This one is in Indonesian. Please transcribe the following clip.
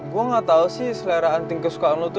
gue gak tau sih selera anting kesukaan lo tuh